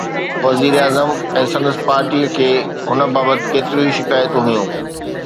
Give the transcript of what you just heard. وزيراعظم ۽ سندس پارٽيءَ کي هن بابت ڪيتريون ئي شڪايتون هيون.